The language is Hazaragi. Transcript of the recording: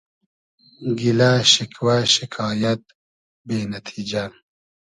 گیلۂ شیکوۂ شیکایئد بې نئتیجۂ